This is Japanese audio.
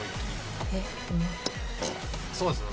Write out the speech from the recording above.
そうですね